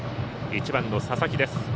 １番の佐々木です。